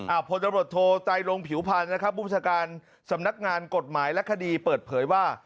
อ่าผลตำรวจโทรใต้ลงผิวพันธุ์นะครับบุรุษการสำนักงานกฎหมายและคดีเปิดเผยว่า